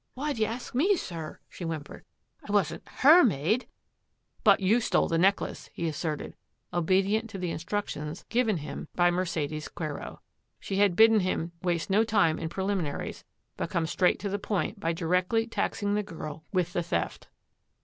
" Why do you ask me, sir? " she whimpered. " I wasn't her maid." " But you stole the necklace," he asserted, obedi ent to the instructions given him by Mercedes 218 THAT AFFAIR AT THE MANOR Quero. She had bidden him waste no time in pre liminaries, but come straight to the point by di rectly taxing the girl with the theft.